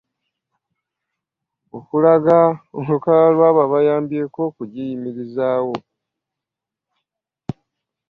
Okulaga olukala lw’abo abayambyeko okugiyimirizaawo.